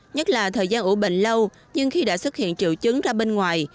nhất là thời gian ủ bệnh lâu nhưng khi đã xuất hiện triệu chứng ra bên ngoài